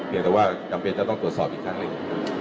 แต่ว่าจำเป็นจะต้องตรวจสอบอีกครั้งหนึ่ง